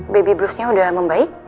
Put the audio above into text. baby blues nya udah membaik